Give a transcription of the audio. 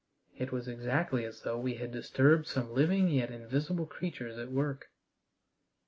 It was exactly as though we had disturbed some living yet invisible creatures at work.